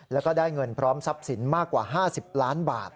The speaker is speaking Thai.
แล้วก็ได้เงินพร้อมทรัพย์สินมากกว่า๕๐ล้านบาท